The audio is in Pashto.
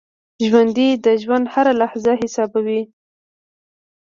ژوندي د ژوند هره لحظه حسابوي